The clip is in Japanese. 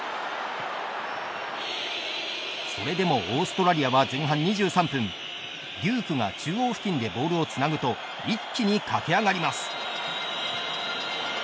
それでもオーストラリアは前半２３分デュークが中央付近でボールをつなぐと一気に駆け上がります。